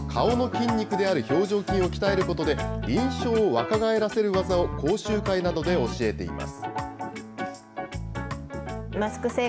顔の筋肉である表情筋を鍛えることで、印象を若返らせる技を講習会などで教えています。